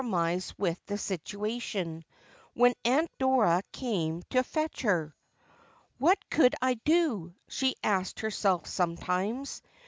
mise with the situation, when Aunt Dora came ti fetch her ' Wiat could I do ?! she asked herself sometimes.